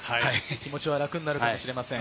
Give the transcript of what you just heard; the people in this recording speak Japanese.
気持ちは楽になるかもしれません。